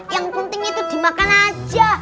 yang penting itu dimakan aja